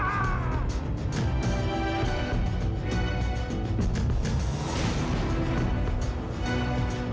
ternyata kau masih hidup wijaya